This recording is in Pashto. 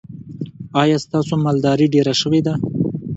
ایا ستاسو مالداري ډیره شوې ده؟